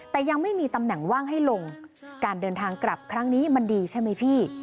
แต่ยังไม่มีตำแหน่งว่างให้ลงการเดินทางกลับครั้งนี้มันดีใช่ไหมพี่